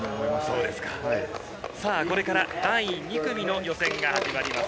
これから第２組の予選が始まります。